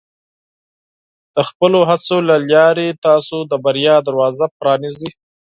د خپلو هڅو له لارې، تاسو د بریا دروازه پرانیزئ.